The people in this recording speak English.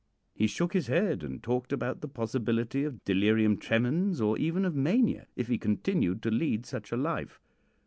He shook his head and talked about the possibility of delirium tremens, or even of mania, if he continued to lead such a life.